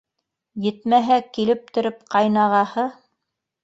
Етмәһә, килептереп — ҡайнағаһы